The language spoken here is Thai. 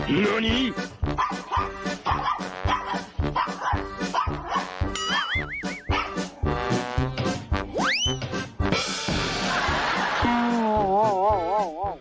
โอ้โฮโอ้โฮโอ้โฮ